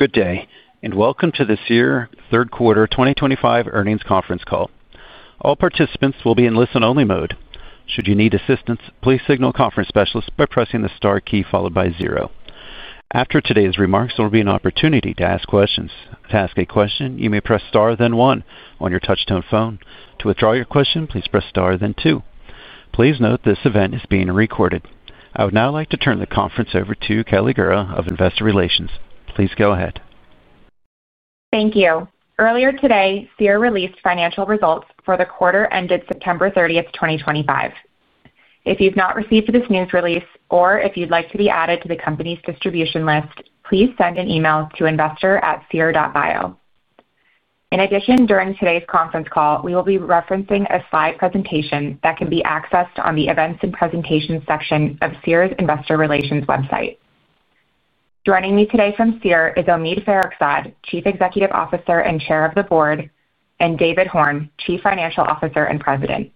Good day, and welcome to the Seer third quarter 2025 earnings conference call. All participants will be in listen-only mode. Should you need assistance, please signal a conference specialist by pressing the star key followed by zero. After today's remarks, there will be an opportunity to ask questions. To ask a question, you may press star then one on your touchtone phone. To withdraw your question, please press star then two. Please note this event is being recorded. I would now like to turn the conference over to Kelly Gura of Investor Relations. Please go ahead. Thank you. Earlier today, Seer released financial results for the quarter ended September 30, 2025. If you've not received this news release or if you'd like to be added to the company's distribution list, please send an email to investor@seer.bio. In addition, during today's conference call, we will be referencing a slide presentation that can be accessed on the events and presentations section of Seer's Investor Relations website. Joining me today from Seer is Omid Farokhzad, Chief Executive Officer and Chair of the Board, and David Horn, Chief Financial Officer and President.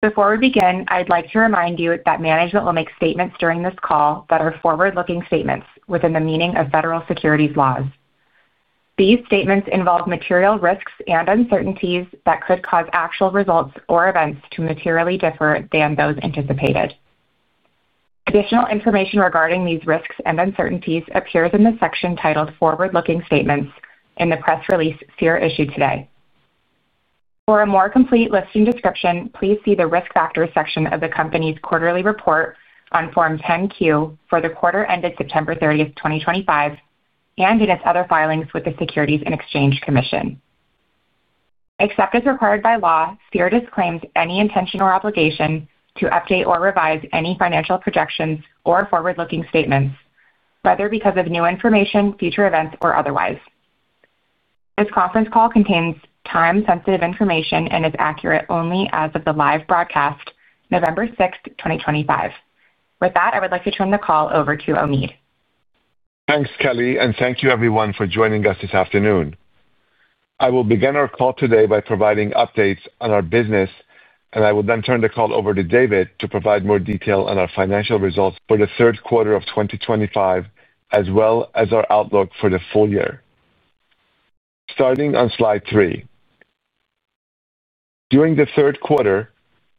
Before we begin, I'd like to remind you that management will make statements during this call that are forward-looking statements within the meaning of federal securities laws. These statements involve material risks and uncertainties that could cause actual results or events to materially differ than those anticipated. Additional information regarding these risks and uncertainties appears in the section titled Forward-Looking Statements in the press release Seer issued today. For a more complete listing description, please see the risk factors section of the company's quarterly report on Form 10-Q for the quarter ended September 30, 2025, and in its other filings with the Securities and Exchange Commission. Except as required by law, Seer disclaims any intention or obligation to update or revise any financial projections or forward-looking statements, whether because of new information, future events, or otherwise. This conference call contains time-sensitive information and is accurate only as of the live broadcast, November 6, 2025. With that, I would like to turn the call over to Omid. Thanks, Kelly, and thank you everyone for joining us this afternoon. I will begin our call today by providing updates on our business, and I will then turn the call over to David to provide more detail on our financial results for the third quarter of 2025, as well as our outlook for the full year. Starting on slide three. During the third quarter,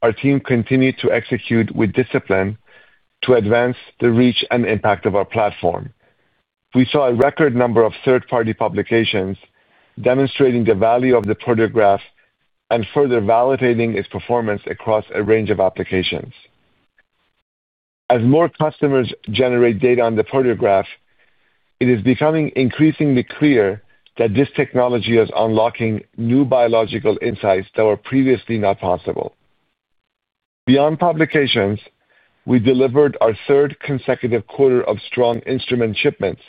our team continued to execute with discipline to advance the reach and impact of our platform. We saw a record number of third-party publications demonstrating the value of the Proteograph and further validating its performance across a range of applications. As more customers generate data on the Proteograph, it is becoming increasingly clear that this technology is unlocking new biological insights that were previously not possible. Beyond publications, we delivered our third consecutive quarter of strong instrument shipments,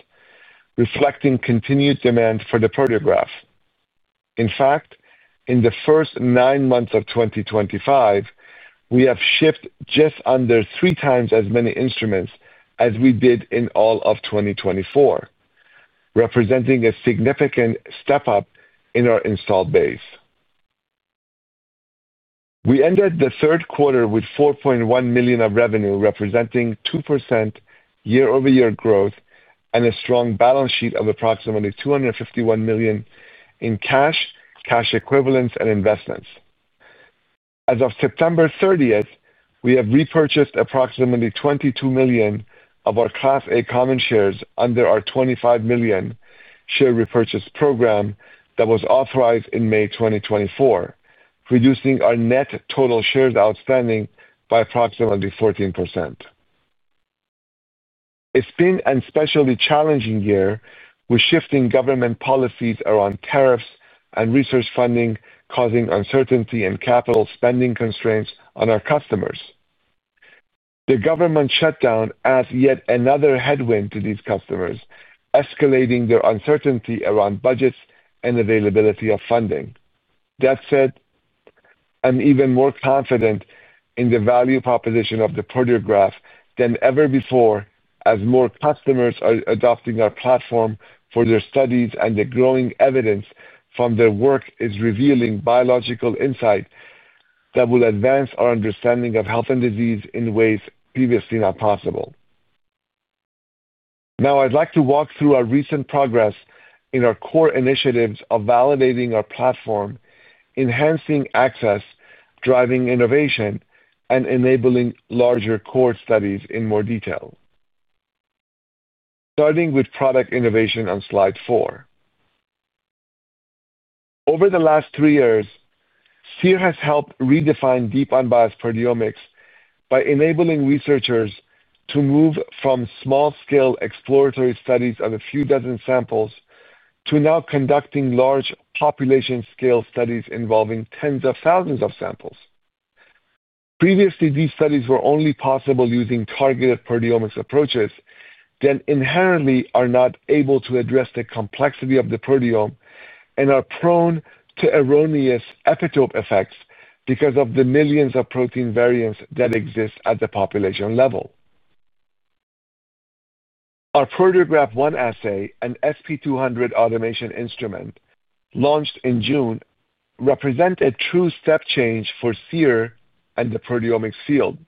reflecting continued demand for the Proteograph. In fact, in the first nine months of 2025, we have shipped just under three times as many instruments as we did in all of 2024, representing a significant step-up in our installed base. We ended the third quarter with $4.1 million of revenue, representing 2% year-over-year growth and a strong balance sheet of approximately $251 million in cash, cash equivalents, and investments. As of September 30, we have repurchased approximately $22 million of our Class A common shares under our $25 million share repurchase program that was authorized in May 2024, reducing our net total shares outstanding by approximately 14%. It's been a especially challenging year with shifting government policies around tariffs and research funding, causing uncertainty and capital spending constraints on our customers. The government shutdown adds yet another headwind to these customers, escalating their uncertainty around budgets and availability of funding. That said. I'm even more confident in the value proposition of the Proteograph than ever before, as more customers are adopting our platform for their studies and the growing evidence from their work is revealing biological insight that will advance our understanding of health and disease in ways previously not possible. Now, I'd like to walk through our recent progress in our core initiatives of validating our platform, enhancing access, driving innovation, and enabling larger cohort studies in more detail. Starting with product innovation on slide four. Over the last three years, Seer has helped redefine deep unbiased proteomics by enabling researchers to move from small-scale exploratory studies of a few dozen samples to now conducting large population-scale studies involving tens of thousands of samples. Previously, these studies were only possible using targeted proteomics approaches that inherently are not able to address the complexity of the proteome and are prone to erroneous epitope effects because of the millions of protein variants that exist at the population level. Our Proteograph One assay, an SP200 automation instrument launched in June, represents a true step change for Seer and the proteomics field.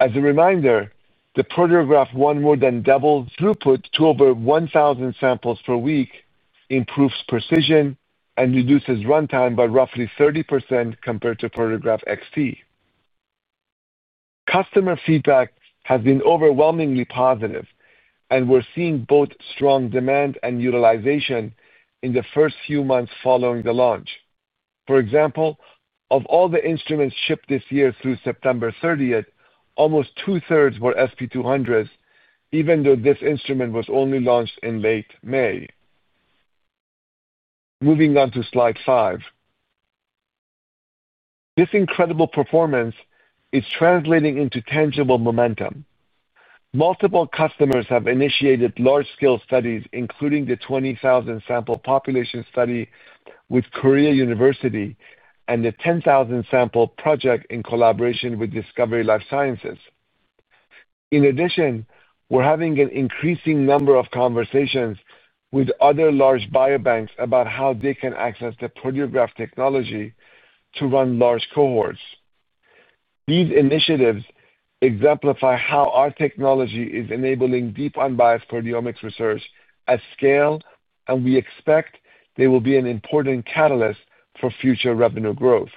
As a reminder, the Proteograph One more than doubles throughput to over 1,000 samples per week, improves precision, and reduces runtime by roughly 30% compared to Proteograph XT. Customer feedback has been overwhelmingly positive, and we're seeing both strong demand and utilization in the first few months following the launch. For example, of all the instruments shipped this year through September 30, almost two-thirds were SP200s, even though this instrument was only launched in late May. Moving on to slide five. This incredible performance is translating into tangible momentum. Multiple customers have initiated large-scale studies, including the 20,000-sample population study with Korea University and the 10,000-sample project in collaboration with Discovery Life Sciences. In addition, we're having an increasing number of conversations with other large biobanks about how they can access the Proteograph technology to run large cohorts. These initiatives exemplify how our technology is enabling deep unbiased proteomics research at scale, and we expect they will be an important catalyst for future revenue growth.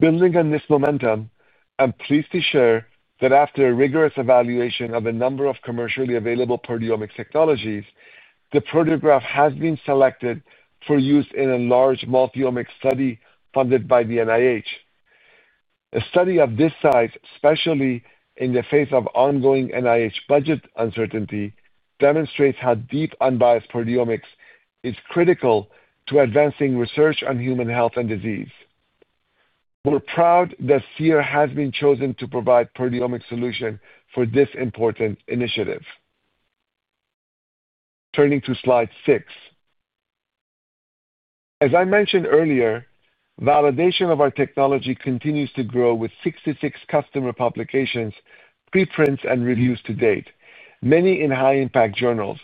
Building on this momentum, I'm pleased to share that after a rigorous evaluation of a number of commercially available proteomics technologies, the Proteograph has been selected for use in a large multi-omics study funded by the NIH. A study of this size, especially in the face of ongoing NIH budget uncertainty, demonstrates how deep unbiased proteomics is critical to advancing research on human health and disease. We're proud that Seer has been chosen to provide a proteomics solution for this important initiative. Turning to slide six. As I mentioned earlier, validation of our technology continues to grow with 66 customer publications, preprints, and reviews to date, many in high-impact journals.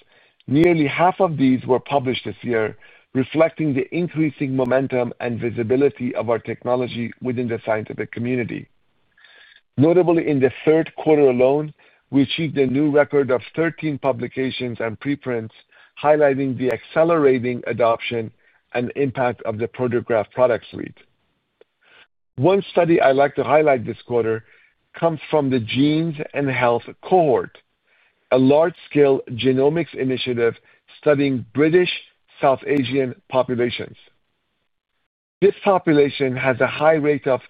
Nearly half of these were published this year, reflecting the increasing momentum and visibility of our technology within the scientific community. Notably, in the third quarter alone, we achieved a new record of 13 publications and preprints, highlighting the accelerating adoption and impact of the Proteograph product suite. One study I'd like to highlight this quarter comes from the Genes and Health Cohort. A large-scale genomics initiative studying British South Asian populations. This population has a high rate of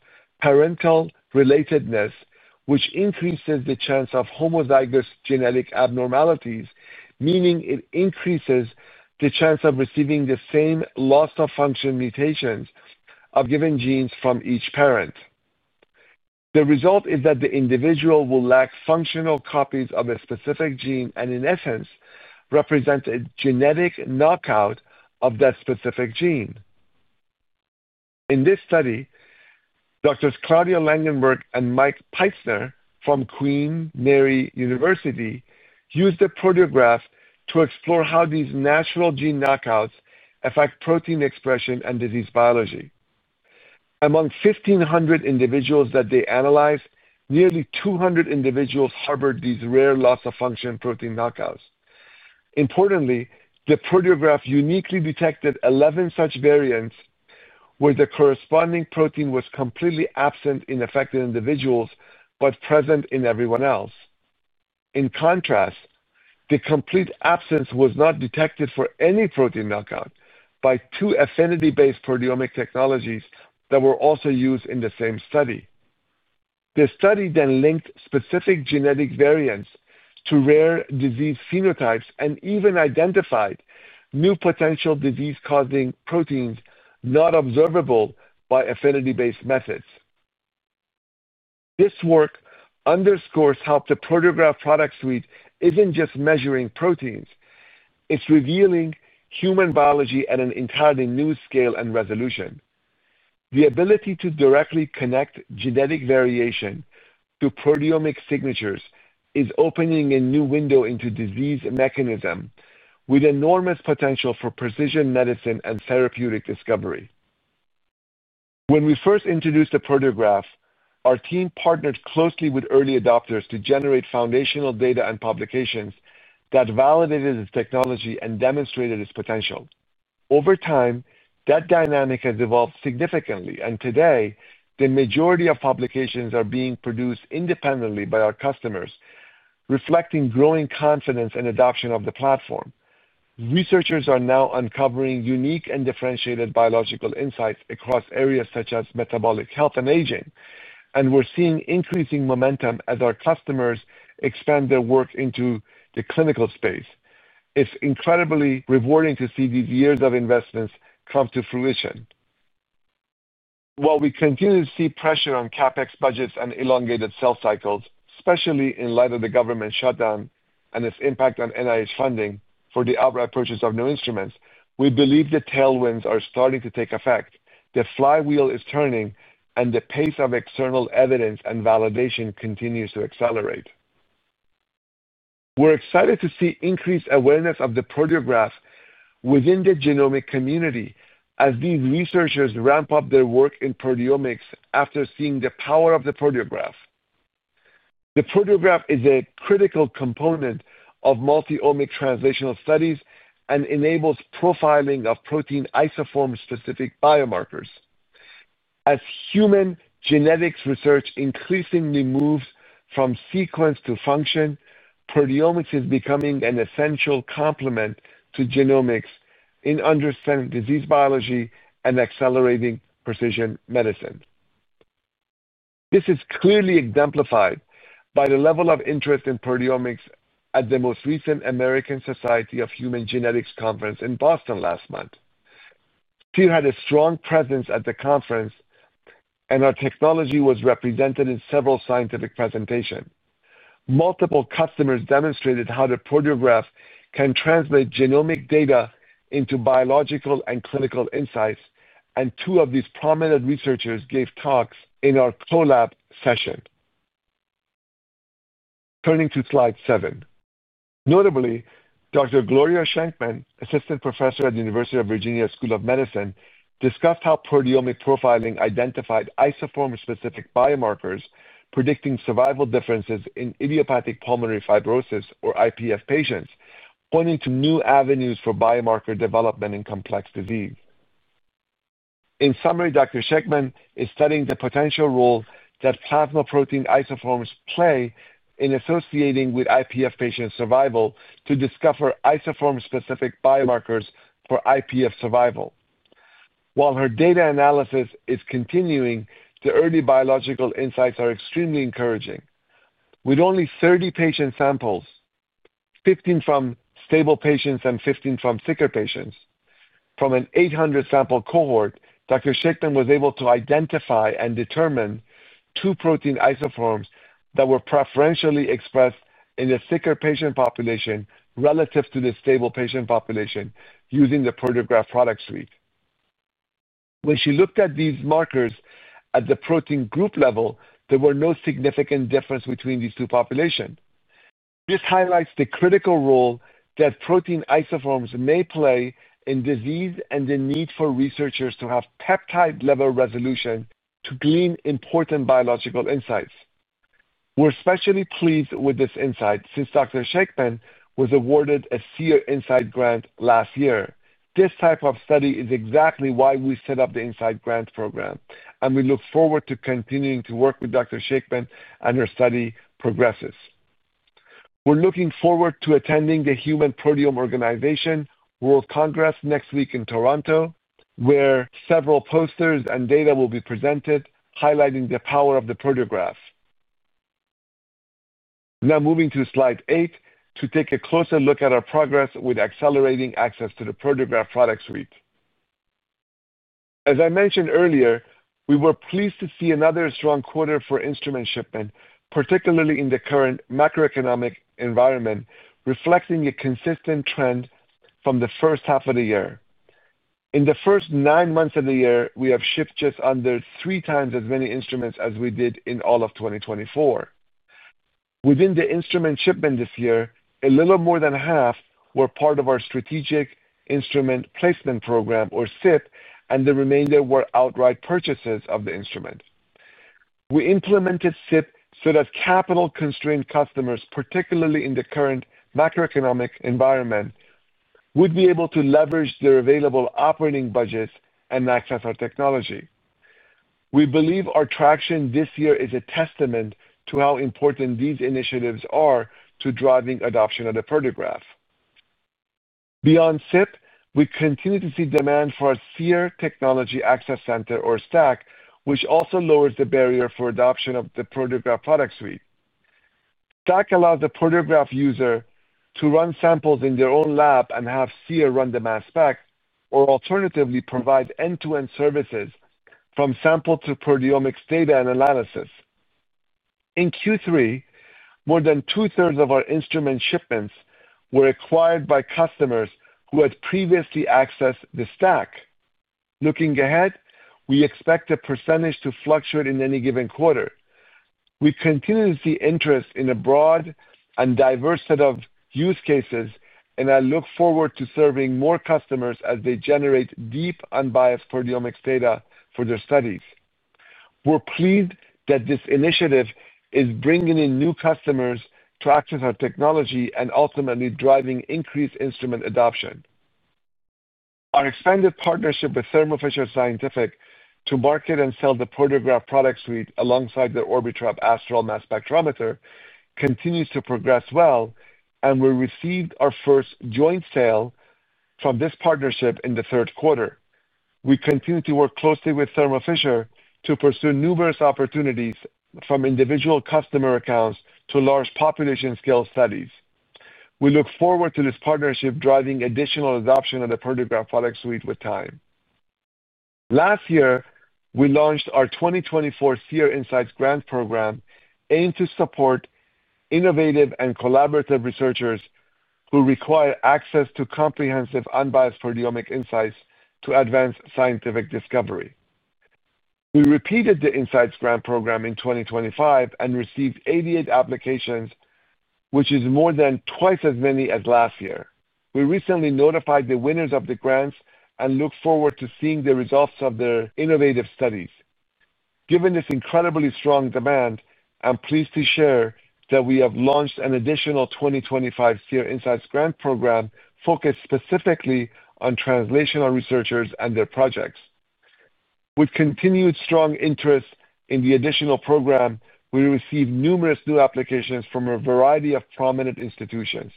parental relatedness, which increases the chance of homozygous genetic abnormalities, meaning it increases the chance of receiving the same loss-of-function mutations of given genes from each parent. The result is that the individual will lack functional copies of a specific gene and, in essence, represent a genetic knockout of that specific gene. In this study, Doctors Claudia Langenberg and Mike Peitzner from Queen Mary University used the Proteograph to explore how these natural gene knockouts affect protein expression and disease biology. Among 1,500 individuals that they analyzed, nearly 200 individuals harbored these rare loss-of-function protein knockouts. Importantly, the Proteograph uniquely detected 11 such variants where the corresponding protein was completely absent in affected individuals but present in everyone else. In contrast, the complete absence was not detected for any protein knockout by two affinity-based proteomic technologies that were also used in the same study. The study then linked specific genetic variants to rare disease phenotypes and even identified new potential disease-causing proteins not observable by affinity-based methods. This work underscores how the Proteograph Product Suite isn't just measuring proteins; it's revealing human biology at an entirely new scale and resolution. The ability to directly connect genetic variation to proteomic signatures is opening a new window into disease mechanism, with enormous potential for precision medicine and therapeutic discovery. When we first introduced the Proteograph, our team partnered closely with early adopters to generate foundational data and publications that validated its technology and demonstrated its potential. Over time, that dynamic has evolved significantly, and today, the majority of publications are being produced independently by our customers, reflecting growing confidence and adoption of the platform. Researchers are now uncovering unique and differentiated biological insights across areas such as metabolic health and aging, and we're seeing increasing momentum as our customers expand their work into the clinical space. It's incredibly rewarding to see these years of investments come to fruition. While we continue to see pressure on CapEx budgets and elongated sales cycles, especially in light of the government shutdown and its impact on NIH funding for the outright purchase of new instruments, we believe the tailwinds are starting to take effect. The flywheel is turning, and the pace of external evidence and validation continues to accelerate. We're excited to see increased awareness of the Proteograph within the genomic community as these researchers ramp up their work in proteomics after seeing the power of the Proteograph. The Proteograph is a critical component of multi-omic translational studies and enables profiling of protein isoform-specific biomarkers. As human genetics research increasingly moves from sequence to function, proteomics is becoming an essential complement to genomics in understanding disease biology and accelerating precision medicine. This is clearly exemplified by the level of interest in proteomics at the most recent American Society of Human Genetics Conference in Boston last month. Seer had a strong presence at the conference. Our technology was represented in several scientific presentations. Multiple customers demonstrated how the Proteograph can translate genomic data into biological and clinical insights, and two of these prominent researchers gave talks in our collab session. Turning to slide seven. Notably, Doctor Gloria Shankman, Assistant Professor at the University of Virginia School of Medicine, discussed how proteomic profiling identified isoform-specific biomarkers predicting survival differences in idiopathic pulmonary fibrosis, or IPF, patients, pointing to new avenues for biomarker development in complex disease. In summary, Doctor Shankman is studying the potential role that plasma protein isoforms play in associating with IPF patient survival to discover isoform-specific biomarkers for IPF survival. While her data analysis is continuing, the early biological insights are extremely encouraging. With only 30 patient samples, 15 from stable patients and 15 from sicker patients, from an 800-sample cohort, Doctor Shankman was able to identify and determine two protein isoforms that were preferentially expressed in the sicker patient population relative to the stable patient population using the Proteograph Product Suite. When she looked at these markers at the protein group level, there were no significant differences between these two populations. This highlights the critical role that protein isoforms may play in disease and the need for researchers to have peptide-level resolution to glean important biological insights. We're especially pleased with this insight since Doctor Shankman was awarded a Seer Insights Grant last year. This type of study is exactly why we set up the Insight Grant Program, and we look forward to continuing to work with Doctor Shankman as her study progresses. We're looking forward to attending the Human Proteome Organization World Congress next week in Toronto, where several posters and data will be presented highlighting the power of the Proteograph. Now, moving to slide eight to take a closer look at our progress with accelerating access to the Proteograph Product Suite. As I mentioned earlier, we were pleased to see another strong quarter for instrument shipment, particularly in the current macroeconomic environment, reflecting a consistent trend from the first half of the year. In the first nine months of the year, we have shipped just under three times as many instruments as we did in all of 2024. Within the instrument shipment this year, a little more than half were part of our Strategic Instrument Placement Program, or SIPP, and the remainder were outright purchases of the instrument. We implemented SIPP so that capital-constrained customers, particularly in the current macroeconomic environment, would be able to leverage their available operating budgets and access our technology. We believe our traction this year is a testament to how important these initiatives are to driving adoption of the Proteograph. Beyond SIPP, we continue to see demand for a Seer Technology Access Center, or STACC, which also lowers the barrier for adoption of the Proteograph product suite. STACC allows the Proteograph user to run samples in their own lab and have Seer run the mass spec, or alternatively provide end-to-end services from sample to proteomics data and analysis. In Q3, more than two-thirds of our instrument shipments were acquired by customers who had previously accessed the STACC. Looking ahead, we expect the percentage to fluctuate in any given quarter. We continue to see interest in a broad and diverse set of use cases, and I look forward to serving more customers as they generate deep unbiased proteomics data for their studies. We're pleased that this initiative is bringing in new customers to access our technology and ultimately driving increased instrument adoption. Our extended partnership with Thermo Fisher Scientific to market and sell the Proteograph Product Suite alongside the Orbitrap Astral Mass Spectrometer continues to progress well, and we received our first joint sale from this partnership in the third quarter. We continue to work closely with Thermo Fisher to pursue numerous opportunities, from individual customer accounts to large population-scale studies. We look forward to this partnership driving additional adoption of the Proteograph Product Suite with time. Last year, we launched our 2024 Seer Insights Grant Program, aimed to support innovative and collaborative researchers who require access to comprehensive unbiased proteomic insights to advance scientific discovery. We repeated the Insights Grant Program in 2025 and received 88 applications, which is more than twice as many as last year. We recently notified the winners of the grants and look forward to seeing the results of their innovative studies. Given this incredibly strong demand, I'm pleased to share that we have launched an additional 2025 Seer Insights Grant Program focused specifically on translational researchers and their projects. With continued strong interest in the additional program, we received numerous new applications from a variety of prominent institutions.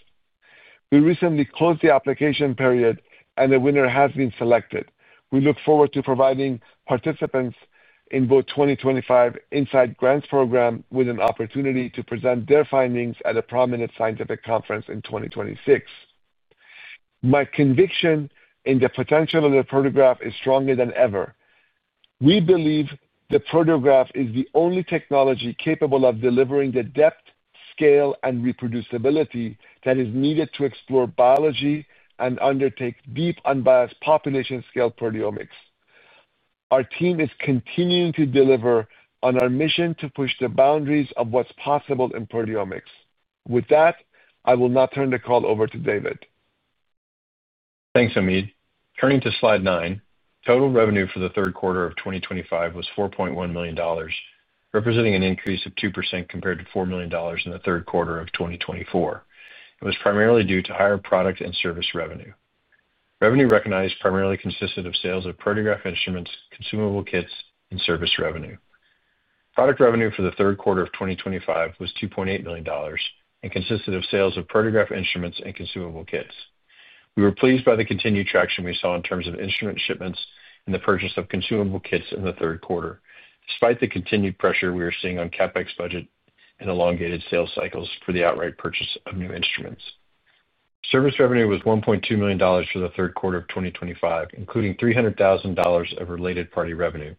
We recently closed the application period, and a winner has been selected. We look forward to providing participants in both the 2025 Insights Grants Program with an opportunity to present their findings at a prominent scientific conference in 2026. My conviction in the potential of the Proteograph is stronger than ever. We believe the Proteograph is the only technology capable of delivering the depth, scale, and reproducibility that is needed to explore biology and undertake deep unbiased population-scale proteomics. Our team is continuing to deliver on our mission to push the boundaries of what's possible in proteomics. With that, I will now turn the call over to David. Thanks, Omid. Turning to slide nine, total revenue for the third quarter of 2025 was $4.1 million, representing an increase of 2% compared to $4 million in the third quarter of 2024. It was primarily due to higher product and service revenue. Revenue recognized primarily consisted of sales of Proteograph instruments, consumable kits, and service revenue. Product revenue for the third quarter of 2025 was $2.8 million and consisted of sales of Proteograph instruments and consumable kits. We were pleased by the continued traction we saw in terms of instrument shipments and the purchase of consumable kits in the third quarter, despite the continued pressure we were seeing on CapEx budget and elongated sales cycles for the outright purchase of new instruments. Service revenue was $1.2 million for the third quarter of 2025, including $300,000 of related party revenue,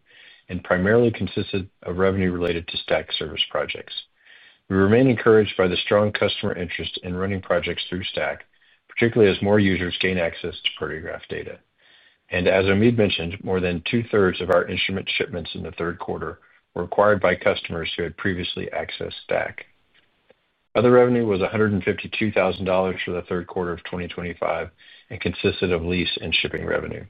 and primarily consisted of revenue related to STACC service projects. We remain encouraged by the strong customer interest in running projects through STACC, particularly as more users gain access to Proteograph data. As Omid mentioned, more than two-thirds of our instrument shipments in the third quarter were acquired by customers who had previously accessed STACC. Other revenue was $152,000 for the third quarter of 2025 and consisted of lease and shipping revenue.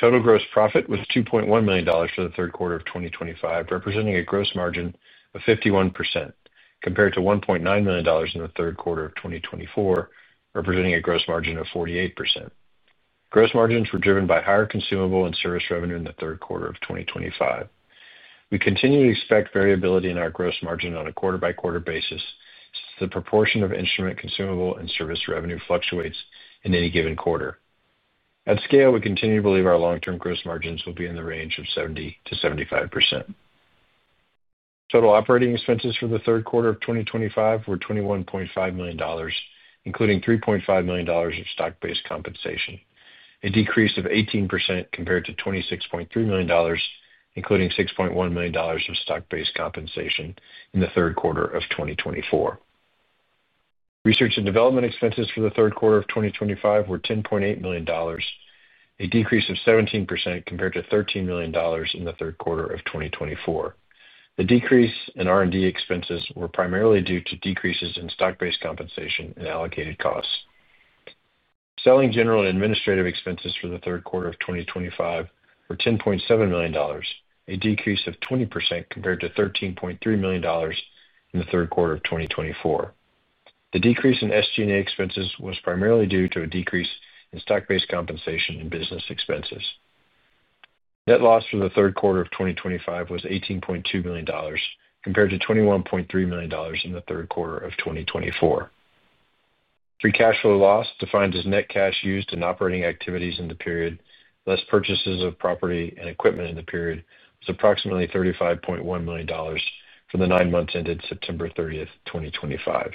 Total gross profit was $2.1 million for the third quarter of 2025, representing a gross margin of 51%, compared to $1.9 million in the third quarter of 2024, representing a gross margin of 48%. Gross margins were driven by higher consumable and service revenue in the third quarter of 2025. We continue to expect variability in our gross margin on a quarter-by-quarter basis since the proportion of instrument consumable and service revenue fluctuates in any given quarter. At scale, we continue to believe our long-term gross margins will be in the range of 70%-75%. Total operating expenses for the third quarter of 2025 were $21.5 million, including $3.5 million of stock-based compensation, a decrease of 18% compared to $26.3 million, including $6.1 million of stock-based compensation in the third quarter of 2024. Research and development expenses for the third quarter of 2025 were $10.8 million, a decrease of 17% compared to $13 million in the third quarter of 2024. The decrease in R&D expenses was primarily due to decreases in stock-based compensation and allocated costs. Selling, general and administrative expenses for the third quarter of 2025 were $10.7 million, a decrease of 20% compared to $13.3 million in the third quarter of 2024. The decrease in SG&A expenses was primarily due to a decrease in stock-based compensation and business expenses. Net loss for the third quarter of 2025 was $18.2 million, compared to $21.3 million in the third quarter of 2024. Free cash flow loss, defined as net cash used in operating activities in the period less purchases of property and equipment in the period, was approximately $35.1 million for the nine months ended September 30, 2025.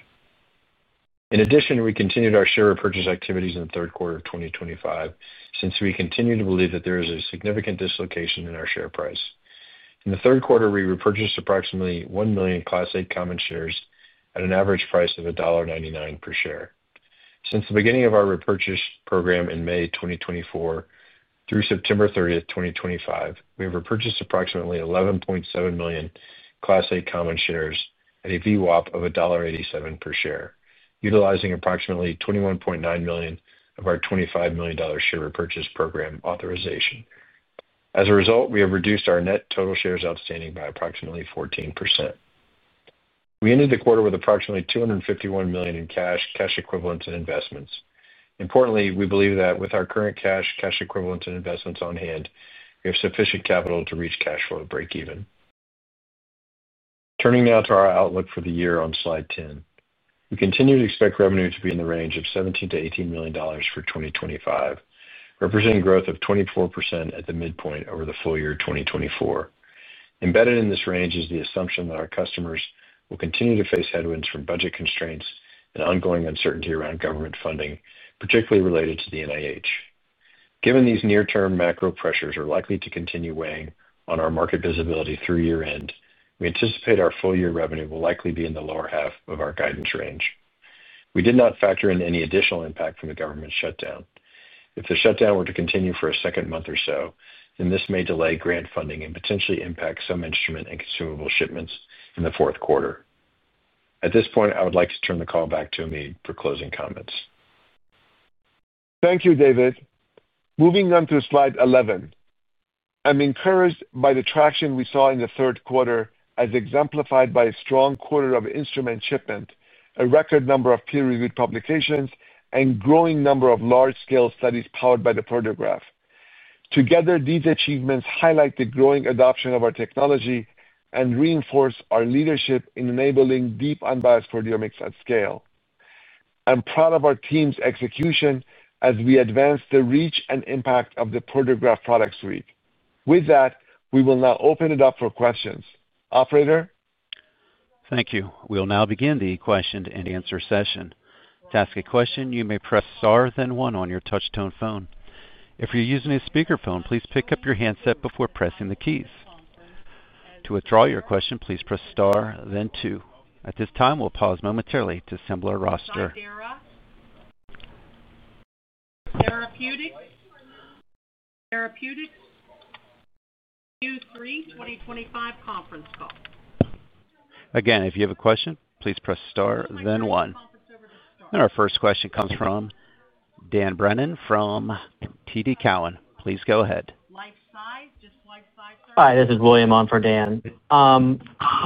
In addition, we continued our share repurchase activities in the third quarter of 2025 since we continue to believe that there is a significant dislocation in our share price. In the third quarter, we repurchased approximately 1 million Class A common shares at an average price of $1.99 per share. Since the beginning of our repurchase program in May 2024 through September 30, 2025, we have repurchased approximately 11.7 million Class A common shares at a VWAP of $1.87 per share, utilizing approximately $21.9 million of our $25 million share repurchase program authorization. As a result, we have reduced our net total shares outstanding by approximately 14%. We ended the quarter with approximately $251 million in cash, cash equivalents, and investments. Importantly, we believe that with our current cash, cash equivalents, and investments on hand, we have sufficient capital to reach cash flow breakeven. Turning now to our outlook for the year on slide 10, we continue to expect revenue to be in the range of $17-$18 million for 2025, representing growth of 24% at the midpoint over the full year 2024. Embedded in this range is the assumption that our customers will continue to face headwinds from budget constraints and ongoing uncertainty around government funding, particularly related to the NIH. Given these near-term macro pressures are likely to continue weighing on our market visibility through year-end, we anticipate our full-year revenue will likely be in the lower half of our guidance range. We did not factor in any additional impact from the government shutdown. If the shutdown were to continue for a second month or so, then this may delay grant funding and potentially impact some instrument and consumable shipments in the fourth quarter. At this point, I would like to turn the call back to Omid for closing comments. Thank you, David. Moving on to slide 11. I'm encouraged by the traction we saw in the third quarter, as exemplified by a strong quarter of instrument shipment, a record number of peer-reviewed publications, and a growing number of large-scale studies powered by the Proteograph. Together, these achievements highlight the growing adoption of our technology and reinforce our leadership in enabling deep unbiased proteomics at scale. I'm proud of our team's execution as we advance the reach and impact of the Proteograph product suite. With that, we will now open it up for questions. Operator. Thank you. We'll now begin the question and answer session. To ask a question, you may press star then one on your touch-tone phone. If you're using a speakerphone, please pick up your handset before pressing the keys. To withdraw your question, please press star then two. At this time, we'll pause momentarily to assemble our roster. Q3 2025 conference call. Again, if you have a question, please press star then one. Our first question comes from Dan Brennan from TD Cowen. Please go ahead. Hi, this is William on for Dan. To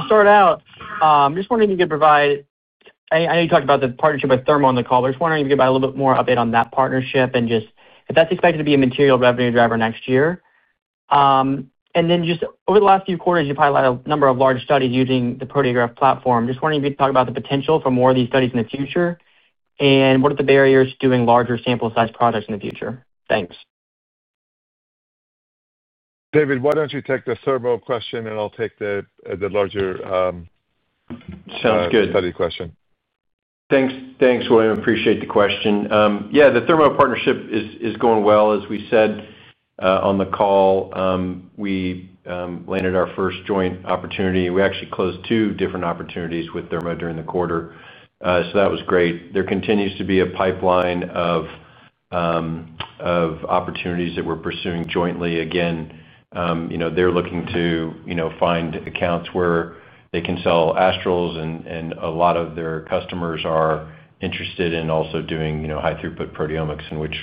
start out, I just wonder if you could provide—I know you talked about the partnership with Thermo on the call. I just wonder if you could provide a little bit more update on that partnership and just if that's expected to be a material revenue driver next year. Just over the last few quarters, you've highlighted a number of large studies using the Proteograph platform. Just wondering if you could talk about the potential for more of these studies in the future. What are the barriers to doing larger sample-sized projects in the future? Thanks. David, why don't you take the Thermo question and I'll take the larger study question? Sounds good. Thanks, William. Appreciate the question. Yeah, the Thermo partnership is going well, as we said on the call. We landed our first joint opportunity. We actually closed two different opportunities with Thermo during the quarter, so that was great. There continues to be a pipeline of opportunities that we're pursuing jointly. Again. They're looking to find accounts where they can sell Astrals, and a lot of their customers are interested in also doing high-throughput proteomics, in which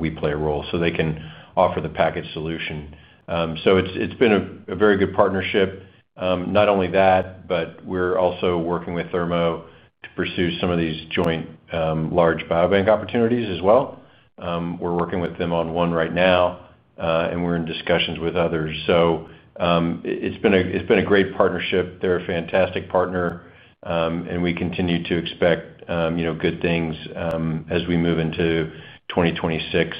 we play a role, so they can offer the package solution. It's been a very good partnership. Not only that, but we're also working with Thermo to pursue some of these joint large biobank opportunities as well. We're working with them on one right now. We're in discussions with others. It's been a great partnership. They're a fantastic partner. We continue to expect good things as we move into 2026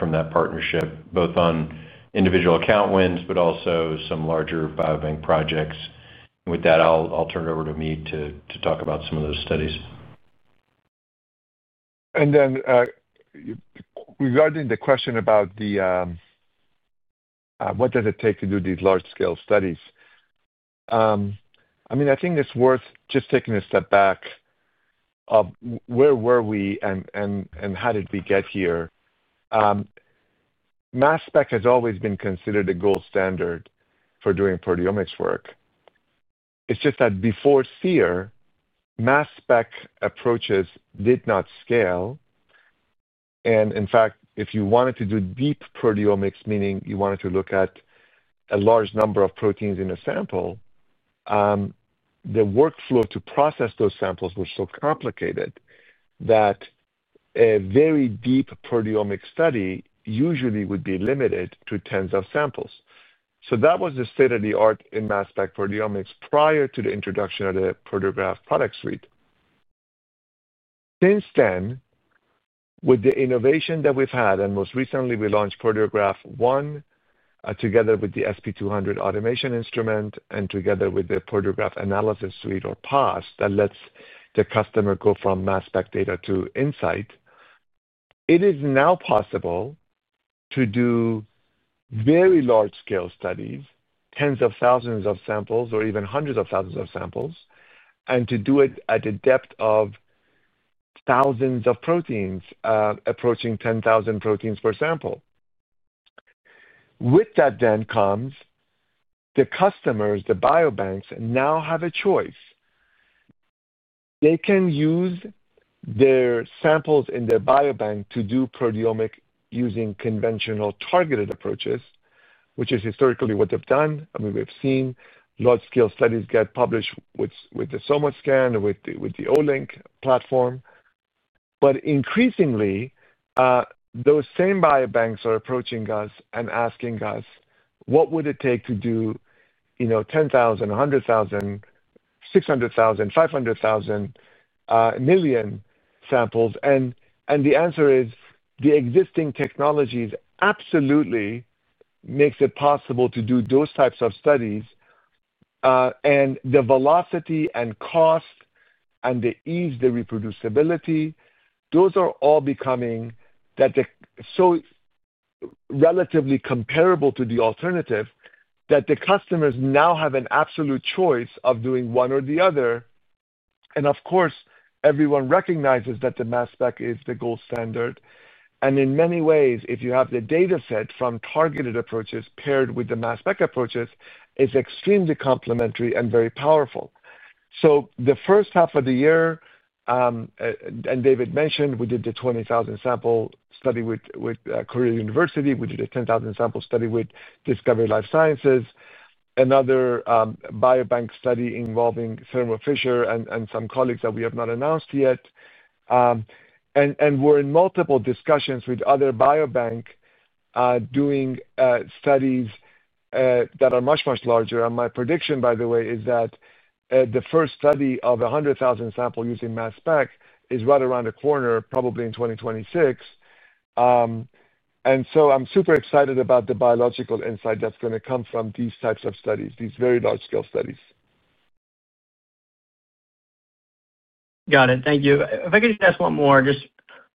from that partnership, both on individual account wins but also some larger biobank projects. With that, I'll turn it over to Omid to talk about some of those studies. Regarding the question about the, what does it take to do these large-scale studies. I mean, I think it's worth just taking a step back. Where were we and how did we get here? Mass Spec has always been considered the gold standard for doing proteomics work. It's just that before Seer, Mass Spec approaches did not scale. In fact, if you wanted to do deep proteomics, meaning you wanted to look at a large number of proteins in a sample, the workflow to process those samples was so complicated that a very deep proteomics study usually would be limited to tens of samples. That was the state of the art in Mass Spec proteomics prior to the introduction of the Proteograph Product Suite. Since then, with the innovation that we've had, and most recently, we launched Proteograph One. Together with the SP200 automation instrument and together with the Proteograph analysis suite, or POS, that lets the customer go from Mass Spec data to insight. It is now possible to do very large-scale studies, tens of thousands of samples or even hundreds of thousands of samples, and to do it at the depth of thousands of proteins, approaching 10,000 proteins per sample. With that then comes the customers, the biobanks, now have a choice. They can use their samples in their biobank to do proteomics using conventional targeted approaches, which is historically what they've done. I mean, we've seen large-scale studies get published with the SomaScan or with the Olink platform. But increasingly those same biobanks are approaching us and asking us, "What would it take to do 10,000, 100,000, 600,000, 500,000. Million samples?" The answer is the existing technologies absolutely make it possible to do those types of studies. The velocity and cost, and the ease, the reproducibility, those are all becoming relatively comparable to the alternative that the customers now have an absolute choice of doing one or the other. Of course, everyone recognizes that the Mass Spec is the gold standard. In many ways, if you have the dataset from targeted approaches paired with the Mass Spec approaches, it is extremely complementary and very powerful. The first half of the year, and David mentioned, we did the 20,000-sample study with Korea University. We did a 10,000-sample study with Discovery Life Sciences, another biobank study involving Thermo Fisher Scientific and some colleagues that we have not announced yet. We are in multiple discussions with other biobanks doing studies that are much, much larger. My prediction, by the way, is that the first study of a 100,000-sample using Mass Spec is right around the corner, probably in 2026. I'm super excited about the biological insight that's going to come from these types of studies, these very large-scale studies. Got it. Thank you. If I could just ask one more, just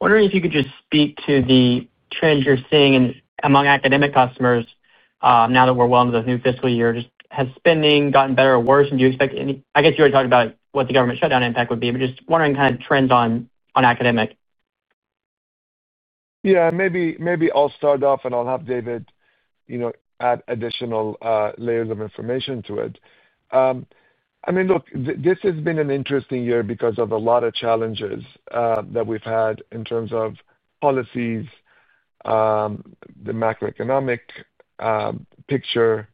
wondering if you could just speak to the trends you're seeing among academic customers now that we're well into the new fiscal year. Has spending gotten better or worse? Do you expect any—I guess you already talked about what the government shutdown impact would be, but just wondering kind of trends on academic. Yeah, maybe I'll start off, and I'll have David add additional layers of information to it. I mean, look, this has been an interesting year because of a lot of challenges that we've had in terms of policies. The macroeconomic picture.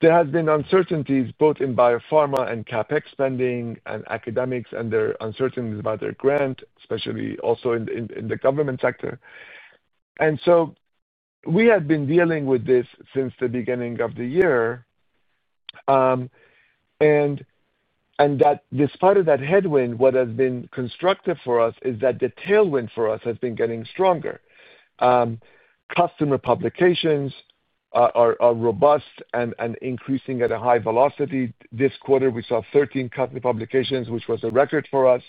There have been uncertainties both in biopharma and CapEx spending and academics and their uncertainties about their grant, especially also in the government sector. We had been dealing with this since the beginning of the year. Despite that headwind, what has been constructive for us is that the tailwind for us has been getting stronger. Customer publications are robust and increasing at a high velocity. This quarter, we saw 13 customer publications, which was a record for us.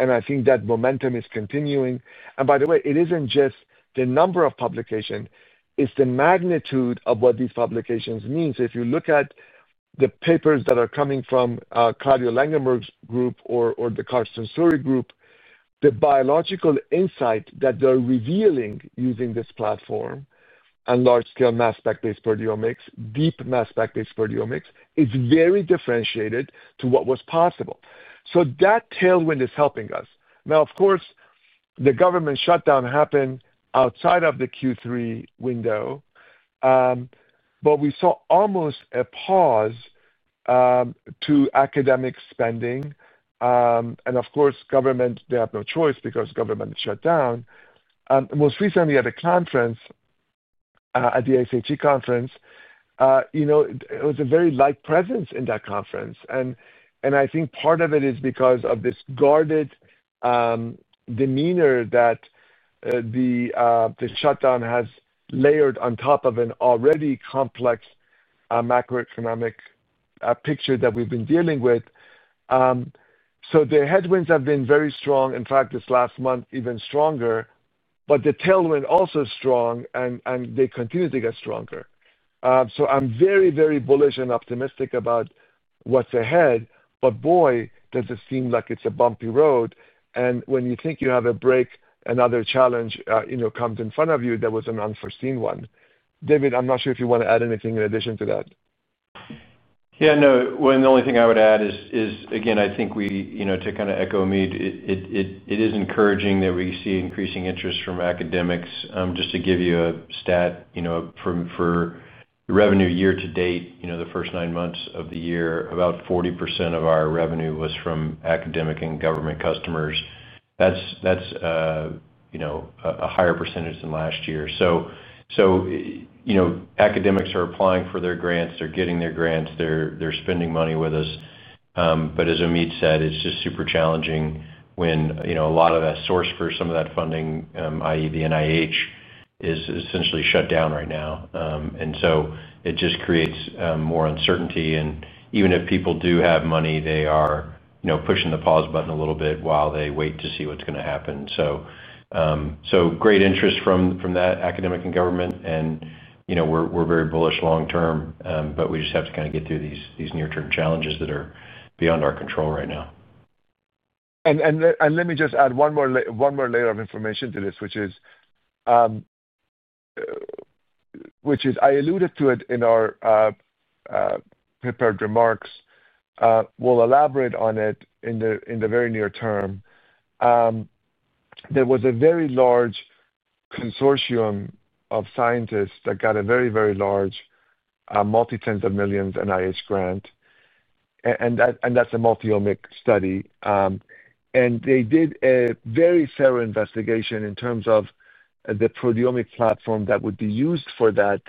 I think that momentum is continuing. By the way, it isn't just the number of publications; it's the magnitude of what these publications mean. If you look at the papers that are coming from Claudia Langenberg's group or the Carstensori group, the biological insight that they're revealing using this platform and large-scale Mass Spec-based proteomics, deep Mass Spec-based proteomics, is very differentiated to what was possible. That tailwind is helping us. Now, of course, the government shutdown happened outside of the Q3 window. We saw almost a pause to academic spending. Of course, government, they have no choice because government shut down. Most recently, at a conference, at the ASH conference, it was a very light presence in that conference. I think part of it is because of this guarded demeanor that the shutdown has layered on top of an already complex macroeconomic picture that we've been dealing with. The headwinds have been very strong. In fact, this last month, even stronger. But the tailwind also strong, and they continue to get stronger. I'm very, very bullish and optimistic about what's ahead. Boy, does it seem like it's a bumpy road. When you think you have a break, another challenge comes in front of you that was an unforeseen one. David, I'm not sure if you want to add anything in addition to that. Yeah, no. The only thing I would add is, again, I think we, to kind of echo Omid, it is encouraging that we see increasing interest from academics. Just to give you a stat. For the revenue year to date, the first nine months of the year, about 40% of our revenue was from academic and government customers. That's a higher percentage than last year. Academics are applying for their grants. They're getting their grants. They're spending money with us. As Omid said, it's just super challenging when a lot of that source for some of that funding, i.e., the NIH, is essentially shut down right now. It just creates more uncertainty. Even if people do have money, they are pushing the pause button a little bit while they wait to see what's going to happen. Great interest from that academic and government. We're very bullish long-term, but we just have to kind of get through these near-term challenges that are beyond our control right now. Let me just add one more layer of information to this, which is, I alluded to it in our prepared remarks. We'll elaborate on it in the very near term. There was a very large consortium of scientists that got a very, very large multi-tens of millions NIH grant. That's a multi-omic study. They did a very thorough investigation in terms of the proteomics platform that would be used for that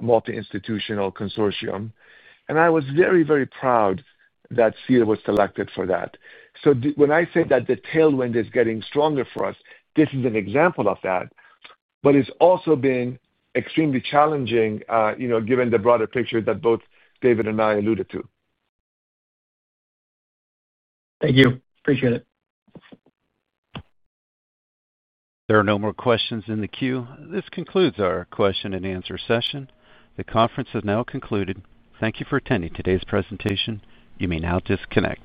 multi-institutional consortium. I was very, very proud that Seer was selected for that. When I say that the tailwind is getting stronger for us, this is an example of that. It has also been extremely challenging given the broader picture that both David and I alluded to. Thank you. Appreciate it. There are no more questions in the queue. This concludes our question and answer session. The conference has now concluded. Thank you for attending today's presentation. You may now disconnect.